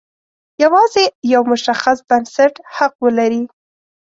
یوازې یو مشخص بنسټ حق ولري.